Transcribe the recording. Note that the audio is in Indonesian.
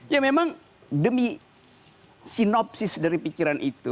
ya memang demi sinopsis dari pikiran itu